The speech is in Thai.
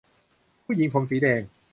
ผู้หญิงผมสีแดง